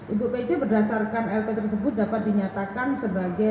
ibu pc berdasarkan lp tersebut dapat dinyatakan sebagai